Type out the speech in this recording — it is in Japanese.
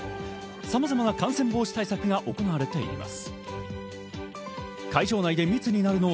さまざまな感染防止対策が行われています。